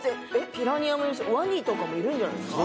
ピラニアもいるしワニとかもいるんじゃないですか？